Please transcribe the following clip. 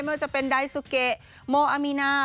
ว่าจะเป็นไดซูเกะโมอามีนา